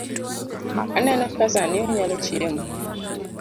Aneno ka sani onyalo chiemo